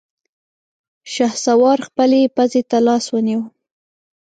شهسوار خپلې پزې ته لاس ونيو.